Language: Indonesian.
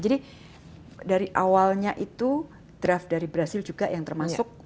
jadi dari awalnya itu draft dari brasil juga yang termasuk